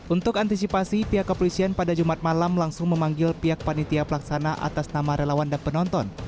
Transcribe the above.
untuk antisipasi pihak kepolisian pada jumat malam langsung memanggil pihak panitia pelaksana atas nama relawan dan penonton